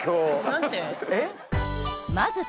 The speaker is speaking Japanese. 何て？